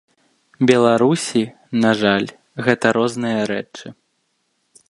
Беларусі, на жаль, гэта розныя рэчы.